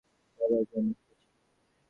ভাবার জন্য হেঁটেছি।